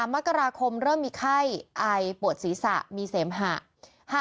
มกราคมเริ่มมีไข้ไอปวดศีรษะมีเสมหะ